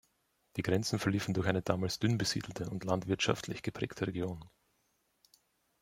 Die Grenzen verliefen durch eine damals dünnbesiedelte und landwirtschaftlich geprägte Region.